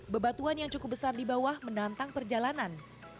bebatuan yang cukup besar di bawah menantang perjalanan